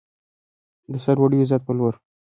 د سرلوړۍ او عزت په لور.